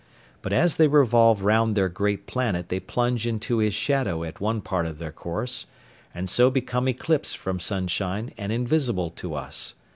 But as they revolve round their great planet they plunge into his shadow at one part of their course, and so become eclipsed from sunshine and invisible to us.